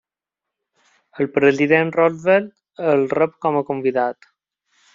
El president Roosevelt el rep com a convidat.